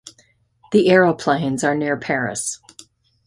The aeroplanes are near Paris.